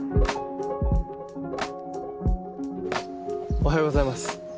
おはようございます。